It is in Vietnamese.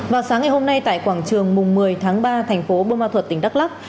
vào sáng ngày hôm nay tại quảng trường mùng một mươi tháng ba thành phố bô ma thuật tỉnh đắk lắc